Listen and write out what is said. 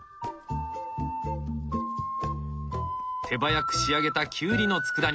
手早く仕上げたきゅうりのつくだ煮。